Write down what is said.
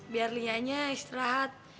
biar lianya istirahat